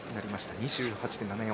２８．７４。